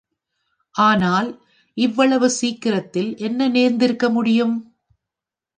ஆனால், இவ்வளவு சிக்கிரத்தில் என்ன நேர்ந்திருக்க முடியும்?